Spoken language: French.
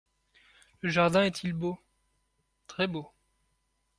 Le jardin est-il beau ? Très beau.